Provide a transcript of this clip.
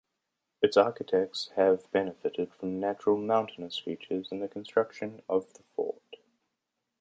Its architects have benefited from natural mountainous features in the construction of the fort.